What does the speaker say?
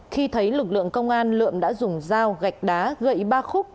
khi thấy lực lượng công an lượm đã dùng dao gạch đá gậy ba khúc